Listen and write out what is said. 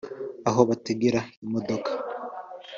aho bategera imodoka